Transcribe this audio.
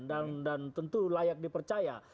dan tentu layak dipercaya